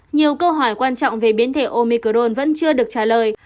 nhiều câu hỏi quan trọng về biến thể omicron vẫn chưa được trả lời